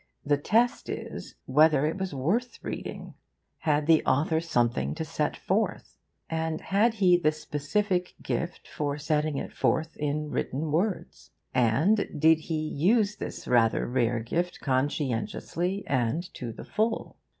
The test is, whether it was worth reading. Had the author something to set forth? And had he the specific gift for setting it forth in written words? And did he use this rather rare gift conscientiously and to the full?